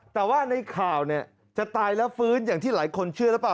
แต่ว่าในข่าวเนี่ยจะตายแล้วฟื้นอย่างที่หลายคนเชื่อหรือเปล่า